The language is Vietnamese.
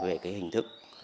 về cái hình thức